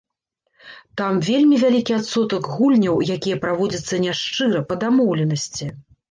Там вельмі вялікі адсотак гульняў, якія праводзяцца няшчыра, па дамоўленасці.